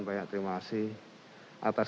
banyak terima kasih atas